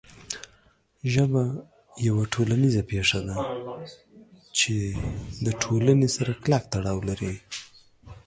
ژبه یوه ټولنیزه پېښه ده چې د ټولنې سره کلک تړاو لري.